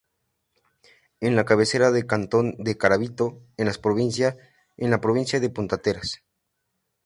Es la cabecera del cantón de Garabito, en la provincia de Puntarenas.